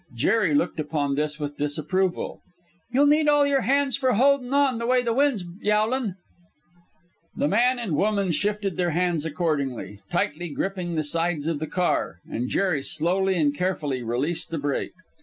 Jerry looked upon this with disapproval. "You'll need all your hands for holdin' on, the way the wind's yowlin.'" The man and the woman shifted their hands accordingly, tightly gripping the sides of the car, and Jerry slowly and carefully released the brake.